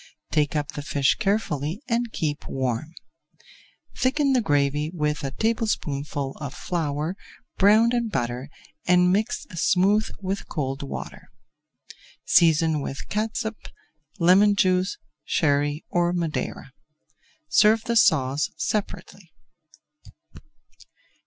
Take up the fish carefully and keep warm. Thicken the gravy with a tablespoonful of flour browned in butter, and mix smooth with cold water. Season with catsup, lemon juice, Sherry or Madeira. Serve the sauce separately.